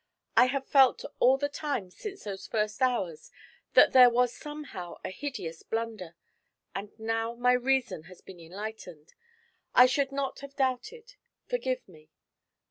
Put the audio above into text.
I have felt all the time since those first hours that there was somehow a hideous blunder, and now my reason has been enlightened. I should not have doubted. Forgive me!'